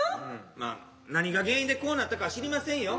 まあ何が原因でこうなったかは知りませんよ。